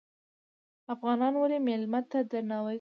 افغانان ولې میلمه ته درناوی کوي؟